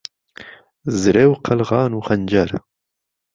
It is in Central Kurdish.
زرێ و قەلغان و خەنجەر